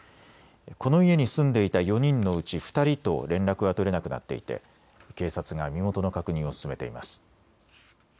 この家に住んでいた４人のうち２人と連絡が取れなくなっていて警察が身元の確認を進めています。